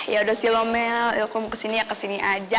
yaudah sih lo mel ya lo mau kesini ya kesini aja